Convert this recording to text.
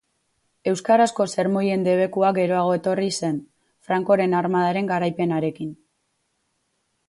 Euskarazko sermoien debekua geroago etorri zen, Francoren armadaren garaipenarekin.